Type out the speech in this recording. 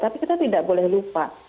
tapi kita tidak boleh lupa